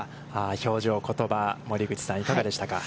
表情、言葉、森口さん、いかがでしたか。